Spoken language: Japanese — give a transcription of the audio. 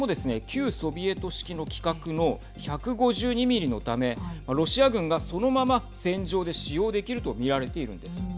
旧ソビエト式の規格の１５２ミリのためロシア軍が、そのまま戦場で使用できると見られているんです。